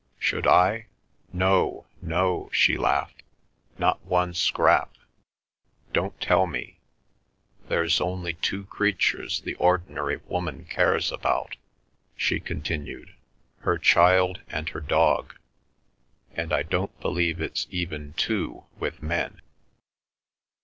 Should I? No, no," she laughed, "not one scrap—don't tell me. There's only two creatures the ordinary woman cares about," she continued, "her child and her dog; and I don't believe it's even two with men.